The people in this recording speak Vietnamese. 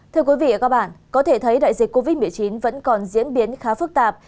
thưa quý vị và các bạn có thể thấy đại dịch covid một mươi chín vẫn còn diễn biến khá phức tạp